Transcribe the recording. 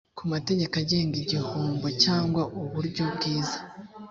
ku mategeko agenga igihombo cyangwa uburyo bwiza